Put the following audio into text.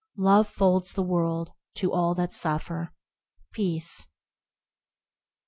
Love folds the world; to all that suffer, Peace